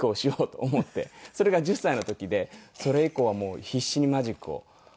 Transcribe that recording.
それが１０歳の時でそれ以降は必死にマジックをやったのを。